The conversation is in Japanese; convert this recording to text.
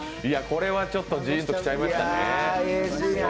これはちょっとジーンときちゃいましたね。